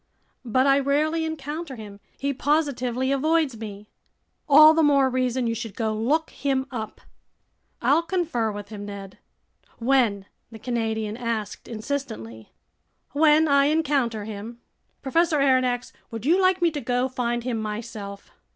"But I rarely encounter him. He positively avoids me." "All the more reason you should go look him up." "I'll confer with him, Ned." "When?" the Canadian asked insistently. "When I encounter him." "Professor Aronnax, would you like me to go find him myself?"